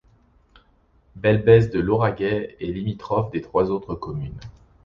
Belbèze-de-Lauragais est limitrophe de trois autres communes.